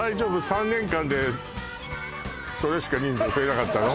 ３年間でそれしか人数増えなかったの？